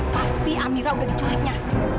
pasti amira udah diculiknya